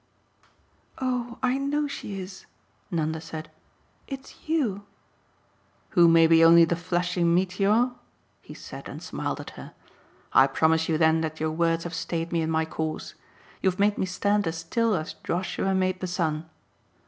"Oh I know she is," Nanda said. "It's YOU " "Who may be only the flashing meteor?" He sat and smiled at her. "I promise you then that your words have stayed me in my course. You've made me stand as still as Joshua made the sun."